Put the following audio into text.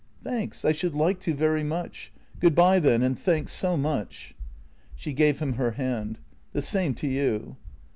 " Thanks, I should like to very much. Good bye, then, and thanks so much." She gave him her hand: " The same to you."